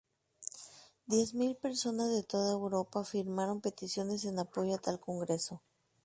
Diez mil personas de toda Europa firmaron peticiones en apoyo a tal congreso.